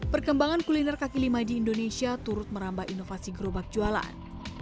perkembangan kuliner kaki lima di indonesia turut merambah inovasi gerobak jualan